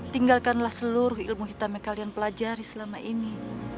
tinggalkanlah seluruh ilmu hitam yang kalian pelajari selama ini